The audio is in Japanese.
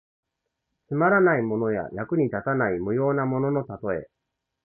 つまらないものや、役に立たない無用なもののたとえ。